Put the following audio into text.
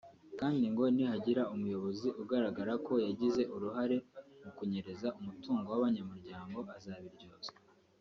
kandi ngo nihagira umuyobozi ugaragara ko yagize uruhare mu kunyereza umutungo w’abanyamuryango azabiryozwa